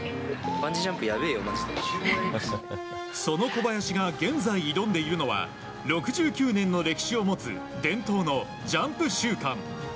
その小林が現在、挑んでいるのは６９年の歴史を持つ伝統のジャンプ週間。